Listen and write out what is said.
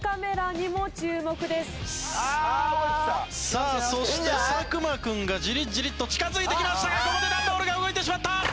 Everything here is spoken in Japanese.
さあそして作間君がジリジリと近づいてきましたがここで段ボールが動いてしまった！